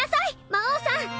魔王さん！